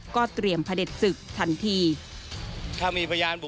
ก็เตรียมพระเด็จศึกทันที